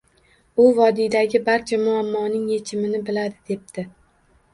U vodiydagi barcha muammoning yechimini biladi, — debdi